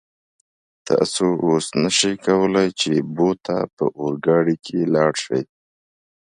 تاسو اوس نشئ کولای چې بو ته په اورګاډي کې لاړ شئ.